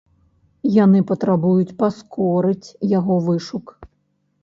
Яны патрабуюць паскорыць яго вышук.